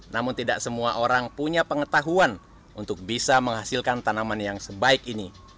namun tidak semua orang punya pengetahuan untuk bisa menghasilkan tanaman yang sebaik ini